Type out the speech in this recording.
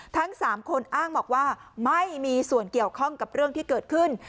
ทั้ง๓คนอ้างบอกว่าไม่มีส่วนเกี่ยวข้องกับเรื่องที่เกิดขึ้น